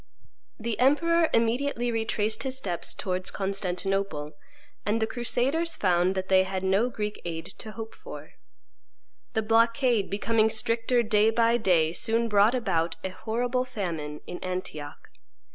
The emperor immediately retraced his steps towards Constantinople, and the crusaders found that they had no Greek aid to hope for. The blockade, becoming stricter day by day, soon brought about a horrible famine in Antioch.